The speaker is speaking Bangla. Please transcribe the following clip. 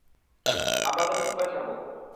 আমরা ওদের ঠিক করে ছাড়বো।